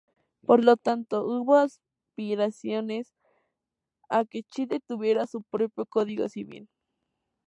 Por lo tanto, hubo aspiraciones a que Chile tuviera su propio Código Civil.